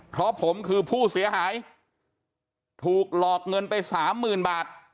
เพราะผมคือผู้เสียหายถูกหลอกเงินไปสามหมื่นบาท